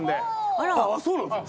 ああそうなんですか？